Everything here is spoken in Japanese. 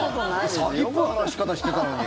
詐欺っぽい話し方してたのに。